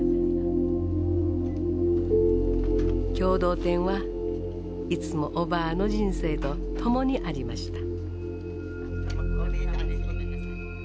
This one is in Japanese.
共同店はいつもおばぁの人生と共にありました。